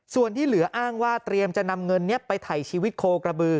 ส่วนที่เหลืออ้างว่าเตรียมจะนำเงินนี้ไปถ่ายชีวิตโคกระบือ